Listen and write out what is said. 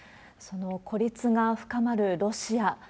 その孤立が深まるロシア。